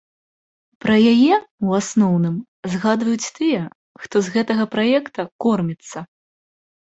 Пра яе, у асноўным, згадваюць тыя, хто з гэтага праекта корміцца.